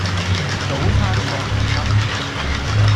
早餐想食乜？